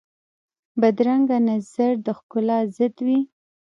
بدرنګه نظر د ښکلا ضد وي